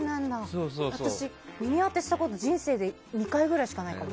私、耳当てしたの人生で２回ぐらいしかないかも。